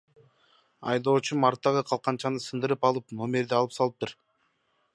Айдоочум арттагы калканчаны сындырып алып, номерди алып салыптыр.